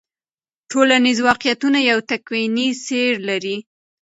ټولنیز واقعیتونه یو تکویني سیر لري.